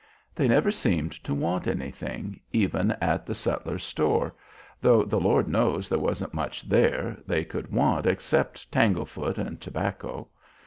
They never seemed to want anything, even at the sutler's store, though the Lord knows there wasn't much there they could want except tanglefoot and tobacco.